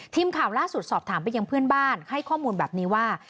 ทีมข่าวล่าสุดสอบถามไปยังเพื่อนบ้านให้ข้อมูลแบบนี้ว่า